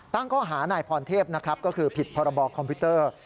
ตั้งข้อหานายพรเทพนะครับก็คือผิดพรบคอมพิวเตอร์